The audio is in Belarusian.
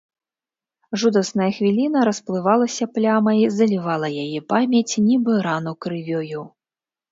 Жудасная хвіліна расплывалася плямай, залівала яе памяць, нібы рану крывёю.